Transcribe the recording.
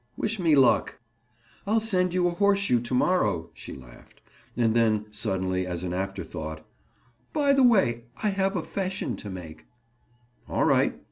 Wish me luck." "I'll send you a horseshoe to morrow," she laughed. And then suddenly, as an afterthought— "By the way, I have a 'fession to make." "All right.